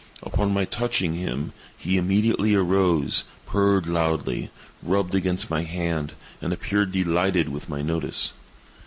Upon my touching him, he immediately arose, purred loudly, rubbed against my hand, and appeared delighted with my notice.